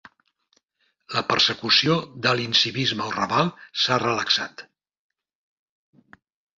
La persecució de l'incivisme al Raval s'ha relaxat.